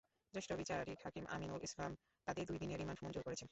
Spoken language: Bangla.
জ্যেষ্ঠ বিচারিক হাকিম আমিনুল ইসলাম তাঁদের দুই দিনের রিমান্ড মঞ্জুর করেছেন।